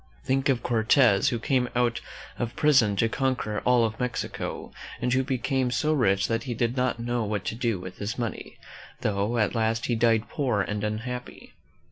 Think of Cortez, who came out of prison to conquer all of Mexico, and who became so rich that he did not know what to do with his money, though at last he died poor and unhappy!